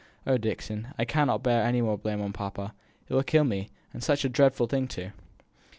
Oh! Dixon, I cannot bear any more blame on papa it will kill me and such a dreadful thing, too!"